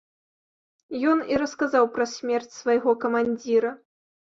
Ён і расказаў пра смерць свайго камандзіра.